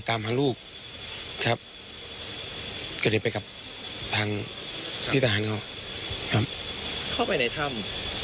ตามหาลูกครับก็เลยไปกับทางพี่ทหารเขาครับเข้าไปในถ้ำ